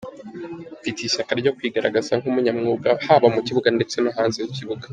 Mfite ishyaka ryo kwigaragaza nk'umunyamwuga haba mu kibuga ndetse no hanze y'ikibuga".